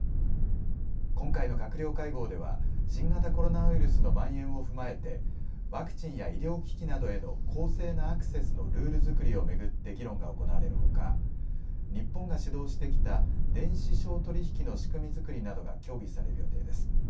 今回の閣僚会合では新型コロナウイルスのまん延を踏まえてワクチンや医療機器などへの公正なアクセスのルール作りを巡って議論が行われるほか日本が主導してきた電子商取引の仕組み作りなどが協議される予定です。